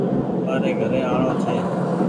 مآري گھري آڻو ڇي۔